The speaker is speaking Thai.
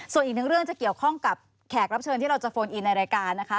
ส่วนอีกหนึ่งเรื่องจะเกี่ยวข้องกับแขกรับเชิญที่เราจะโฟนอินในรายการนะคะ